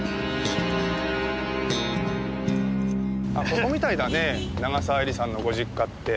ここみたいだね長澤絵里さんのご実家って。